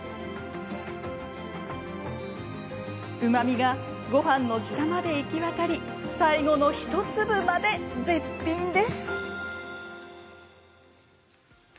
うまみがごはんの下まで行き渡り最後の１粒まで絶品です。